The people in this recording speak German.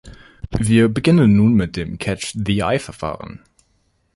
Wir beginnen nun mit dem "Catch-the-Eye"-Verfahren.